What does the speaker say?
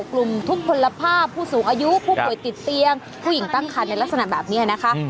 กลุ่มทุกคนภาพผู้สูงอายุผู้ป่วยติดเตียงผู้หญิงตั้งคันในลักษณะแบบนี้นะคะ